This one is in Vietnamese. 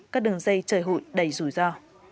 các đường dây trời hủy đầy rủi ro